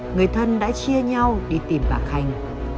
người thân đã chia nhau đi tìm bà khanh